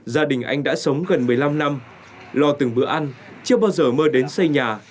gia đình anh đã sống gần một mươi năm năm lo từng bữa ăn chưa bao giờ mơ đến xây nhà